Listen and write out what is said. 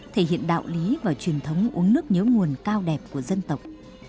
thể hiện đạo lý và truyền thống uống nước nhớ nguồn cao đẹp của dân tộc